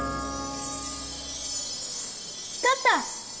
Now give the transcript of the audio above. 光った！